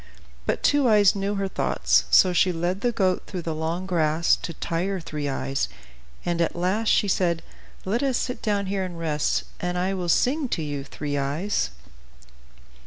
But Two Eyes knew her thoughts; so she led the goat through the long grass to tire Three Eyes, and at last she said, "Let us sit down here and rest, and I will sing to you, Three Eyes."